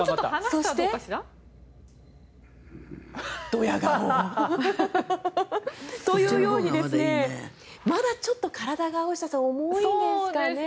そして、ドヤ顔。というようにまだちょっと体が重いんですかね大下さん。